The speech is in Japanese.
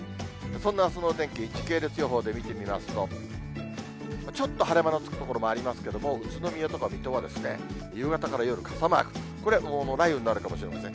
そんなあすのお天気、時系列予報で見てみますと、ちょっと晴れ間のつく所もありますけれども、宇都宮とか水戸は、夕方から夜、傘マーク、これ、雷雨になるかもしれません。